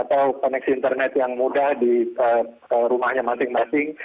atau koneksi internet yang mudah di rumahnya masing masing